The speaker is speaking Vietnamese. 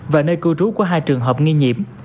và nơi cư trú của hai trường hợp nghi nhiễm